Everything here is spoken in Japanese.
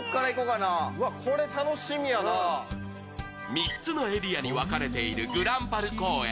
３つのエリアに分かれているぐらんぱる公園。